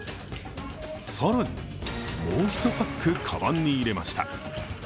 更に、もう１パック、かばんに入れました。